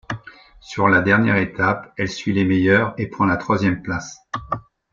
Sur la dernière étape, elle suit les meilleures et prend la troisième place.